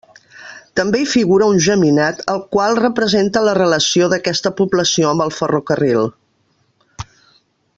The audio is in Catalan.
També hi figura un geminat, el qual representa la relació d'aquesta població amb el ferrocarril.